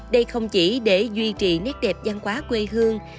đây không chỉ để duy trì nét đẹp văn hóa quê hương